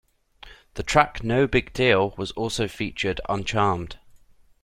The track "No Big Deal" was also featured on Charmed.